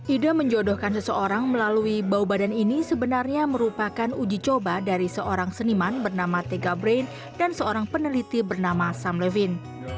ide menjodohkan seseorang melalui bau badan ini sebenarnya merupakan uji coba dari seorang seniman bernama tega brain dan seorang peneliti bernama sam levin